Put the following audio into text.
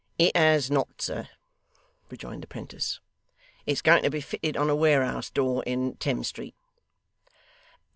'It has not, sir,' rejoined the 'prentice. 'It's going to be fitted on a ware'us door in Thames Street.